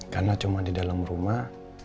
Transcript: karena cuma di dalam rumah